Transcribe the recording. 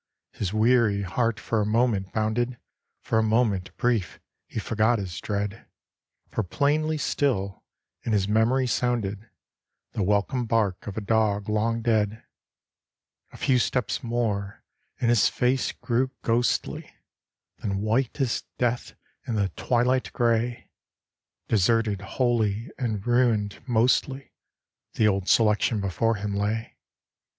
His weary heart for a moment bounded, For a moment brief he forgot his dread; For plainly still in his memory sounded The welcome bark of a dog long dead. A few steps more and his face grew ghostly, Then white as death in the twilight grey; Deserted wholly, and ruined mostly, The Old Selection before him lay.